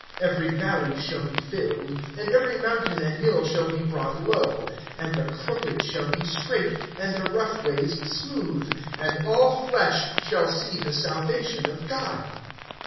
(5)Every valley shall be filled, And every mountain and hill shall be brought low; And the crooked shall be straight, And the rough ways smooth; (6)And all flesh shall see the salvation of God.